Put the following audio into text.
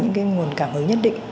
một cái nguồn cảm hứng nhất định